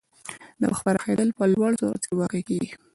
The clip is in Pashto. د وخت پراخېدل په لوړ سرعت کې واقع کېږي.